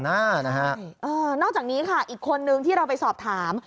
นอกจากนี้ค่ะอีกคนนึงที่เราไปสอบถาม